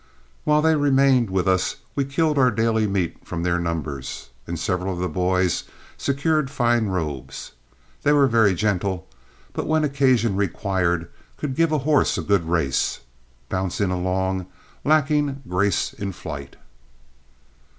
While they remained with us we killed our daily meat from their numbers, and several of the boys secured fine robes. They were very gentle, but when occasion required could give a horse a good race, bouncing along, lacking grace in flight.